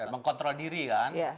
mengkontrol diri kan